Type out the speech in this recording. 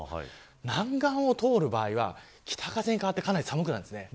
南岸を通る場合は北風に変わってかなり寒くなります。